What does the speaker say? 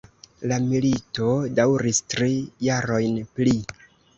La milito daŭris tri jarojn pli.